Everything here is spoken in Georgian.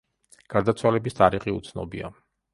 გარდაცვალების თარიღი უცნობია.